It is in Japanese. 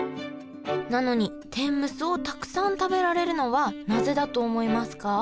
なのに天むすをたくさん食べられるのはなぜだと思いますか？